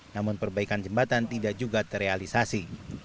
namun perbaikan jembatan tidak juga terrealisasi